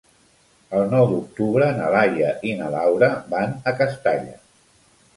El nou d'octubre na Laia i na Laura van a Castalla.